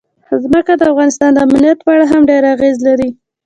ځمکه د افغانستان د امنیت په اړه هم ډېر اغېز لري.